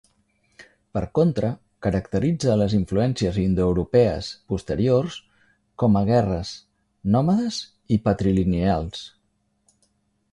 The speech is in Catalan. Per contra, caracteritza les influències indoeuropees posteriors com a guerres, nòmades i patrilineals.